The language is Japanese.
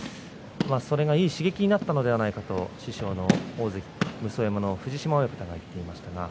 それが、いい刺激になったんじゃないかなと師匠の藤島親方が言っていました。